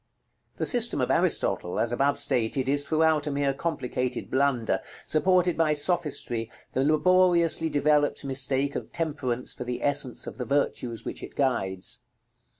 The system of Aristotle, as above stated, is throughout a mere complicated blunder, supported by sophistry, the laboriously developed mistake of Temperance for the essence of the virtues which it guides.